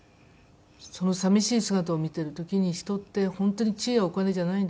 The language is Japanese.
その寂しい姿を見てる時に人って本当に地位やお金じゃないんだって。